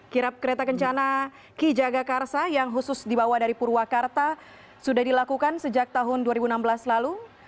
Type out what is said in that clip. kirap kereta kencana ki jagakarsa yang khusus dibawa dari purwakarta sudah dilakukan sejak tahun dua ribu enam belas lalu